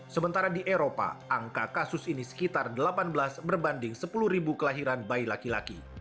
sementara di eropa angka kasus ini sekitar delapan belas berbanding sepuluh ribu kelahiran bayi laki laki